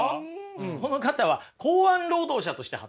この方は港湾労働者として働いてるんです。